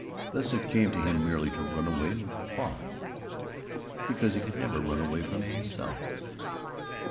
Thus it came to him merely to run away was folly, because he could never run away from himself.